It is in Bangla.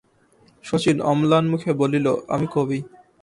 শচীশ অম্লান মুখে বলিল, আমি কবি।